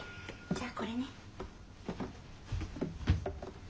じゃあこれね。